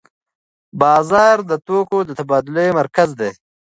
بازار د توکو د تبادلې مرکز دی.